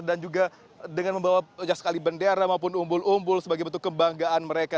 dan juga dengan membawa sekali bendera maupun umbul umbul sebagai bentuk kebanggaan mereka